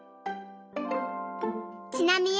ちなみへ。